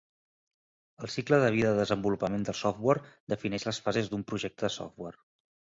El cicle de vida de desenvolupament del software defineix les fases d'un projecte de software.